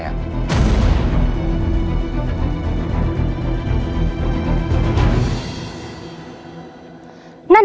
สายฝนก็ยังมีเมียน้อย